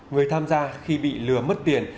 người tham gia khi bị lừa mất tiền